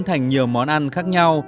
thành nhiều món ăn khác nhau